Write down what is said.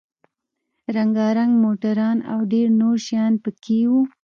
رنگ رنگ موټران او ډېر نور شيان پکښې وو.